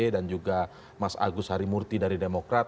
dan juga mas agus harimurti dari demokrat